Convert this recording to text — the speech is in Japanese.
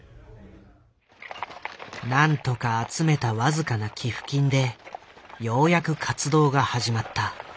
なんとか集めた僅かな寄付金でようやく活動が始まった。